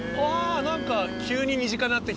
何か急に身近になってきた。